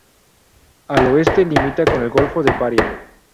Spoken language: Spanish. Al oeste limita con el Golfo de Paria.